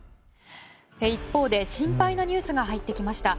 一方で、心配なニュースが入っていきました。